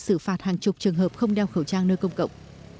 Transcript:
xử phạt hàng chục trường hợp không đeo khẩu trang nơi công cộng